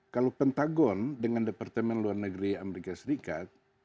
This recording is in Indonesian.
kalau pentagon dengan departemen luar negeri amerika serikat